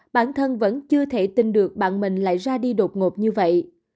bản thân vẫn chưa thể tin được bạn mình lại ra đi đột ngột như vậy